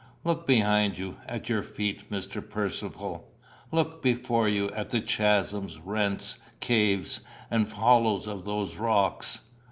Look behind you, at your feet, Mr. Percivale; look before you at the chasms, rents, caves, and hollows of those rocks."